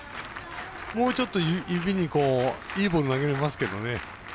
もうちょっと指にいいボール投げれますけどね。